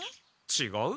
ちがう？